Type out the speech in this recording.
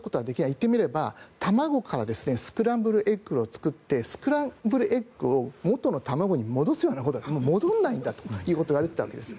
言ってみれば卵からスクランブルエッグを作ってスクランブルエッグを元の卵に戻すようなことは戻らないんだということが言われていたわけです。